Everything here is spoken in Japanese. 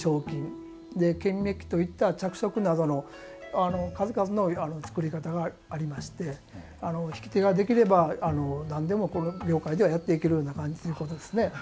金めっきといった着色などの数々の作り方がありまして引き手ができれば何でもこの業界ではやっていけるような感じのことですね。